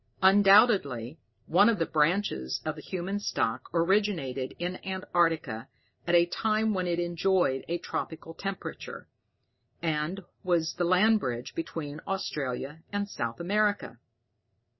Undoubtedly one of the branches of the human stock originated in antarctica at a time when it enjoyed a tropical temperature, and was the land bridge between Australia and South America."